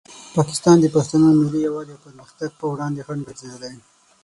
پاکستان د پښتنو ملي یووالي او پرمختګ په وړاندې خنډ ګرځېدلی.